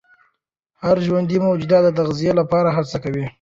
هر ژوندي موجود د تغذیې لپاره هڅه کوي.